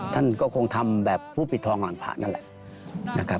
ท่านก็คงทำแบบผู้ปิดทองหลังพระนั่นแหละนะครับ